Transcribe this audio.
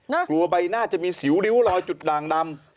กลัวใบหน้าจะมีสิวริ้วรอยจุดด่างดำ